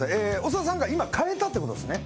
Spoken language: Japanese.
長田さんが今変えたってことですね？